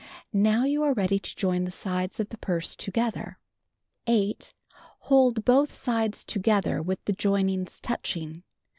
Now you are ready to join the sides of the purse together. 8. Hold both sides together with the joinings touching.